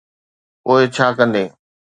پوءِ ڇا ڪندين؟